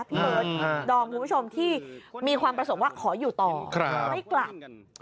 พี่เบิร์ดดอมคุณผู้ชมที่มีความประสงค์ว่าขออยู่ต่อไม่กลับ